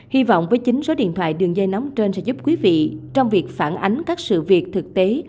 hy vọng với chính số điện thoại đường dây nóng trên sẽ giúp quý vị trong việc phản ánh các sự việc thực tế